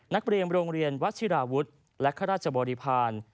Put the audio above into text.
นักเรียนโรงเรียนวัชิราวุฒิและข้าราชบริพาณ